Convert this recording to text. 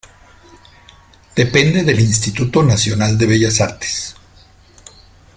Depende del Instituto Nacional de Bellas Artes.